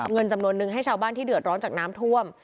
เงินจำนวนนึงให้ชาวบ้านที่เดือดร้อนจากน้ำท่วม